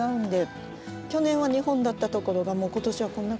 去年は２本だったところがもう今年はこんな数になって。